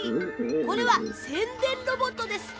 これはせんでんロボットです。